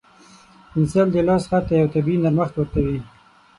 پنسل د لاس خط ته یو طبیعي نرمښت ورکوي.